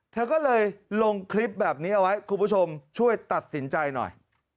เธอก็เลยลงคลิปแบบนี้เอาไว้คุณผู้ชมช่วยตัดสินใจหน่อย